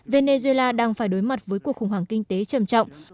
venezuela đang phải đối mặt với cuộc khủng hoảng kinh tế trầm trọng